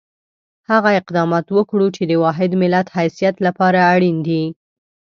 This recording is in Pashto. هغه اقدامات وکړو چې د واحد ملت حیثیت لپاره اړین دي.